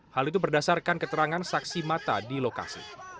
hal itu berdasarkan keterangan saksi mata di lokasi